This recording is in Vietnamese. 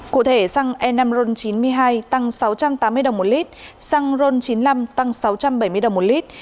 cụ thể xăng enamron chín mươi hai tăng sáu trăm tám mươi đồng một lít xăng ron chín mươi năm tăng sáu trăm bảy mươi đồng một lít